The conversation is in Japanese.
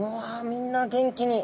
みんな元気に。